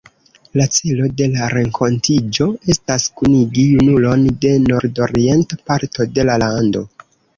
La celo de la renkontiĝo estas kunigi junulon de nordorienta parto de la lando.